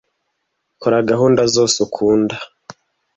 Kora gahunda zose ukunda.